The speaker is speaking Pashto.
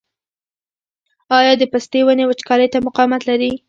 آیا د پستې ونې وچکالۍ ته مقاومت لري؟